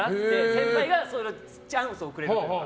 先輩がチャンスをくれるんです。